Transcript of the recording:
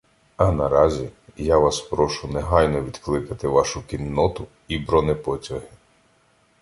А на разі я вас прошу негайно відкликати вашу кінноту і бронепотяги.